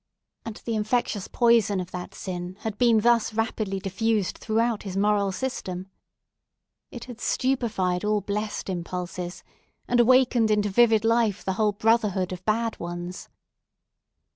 And the infectious poison of that sin had been thus rapidly diffused throughout his moral system. It had stupefied all blessed impulses, and awakened into vivid life the whole brotherhood of bad ones.